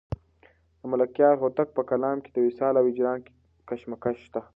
د ملکیار هوتک په کلام کې د وصال او هجران کشمکش شته.